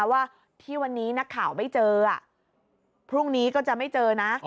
ว่าที่วันนี้นักข่าวไม่เจอ